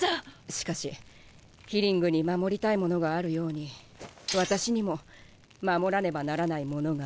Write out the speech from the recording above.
しかしヒリングに守りたいものがあるように私にも守らねばならないものがある。